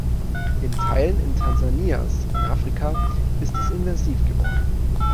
In Teilen in Tansanias in Afrika ist es invasiv geworden.